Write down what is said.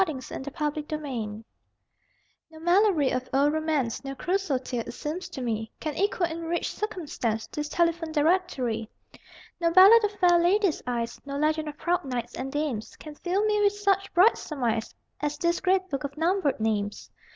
THE TELEPHONE DIRECTORY No Malory of old romance, No Crusoe tale, it seems to me, Can equal in rich circumstance This telephone directory. No ballad of fair ladies' eyes, No legend of proud knights and dames, Can fill me with such bright surmise As this great book of numbered names!